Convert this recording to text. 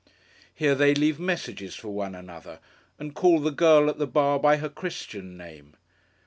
Here they leave messages for one another, and call the girl at the bar by her Christian name.